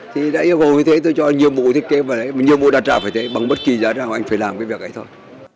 thì đã yêu cầu như thế tôi cho nhiệm vụ thiết kế nhiệm vụ đặt ra phải thế bằng bất kỳ giá trang anh phải làm cái việc ấy thôi